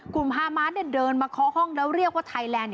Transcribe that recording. ฮามาสเดินมาเคาะห้องแล้วเรียกว่าไทยแลนด์